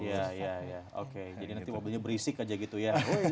iya iya oke jadi nanti mobilnya berisik aja gitu ya